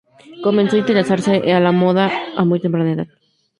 Comenzó a interesarse en la moda a muy temprana edad.